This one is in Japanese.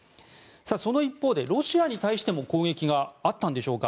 その一方で、ロシアに対しても攻撃があったんでしょうか。